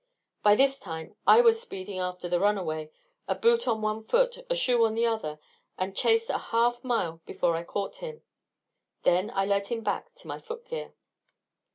By this time I was speeding after the runaway, a boot on one foot, a shoe on the other, and chased a half mile before I caught him. Then I led him back for my footgear.